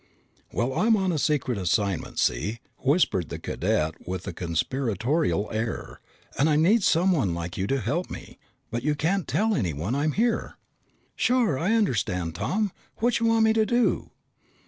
"Well, I'm on a secret assignment, see?" whispered the cadet with a conspiratorial air. "And I need someone like you to help me. But you can't tell anyone I'm here!" "Sure, I understand, Tom. Whatcha want me to do?"